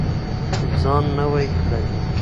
ځان نوی کړئ.